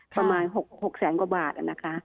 ประมาณ๖แสนกว่าบาท